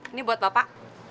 ini buat bapak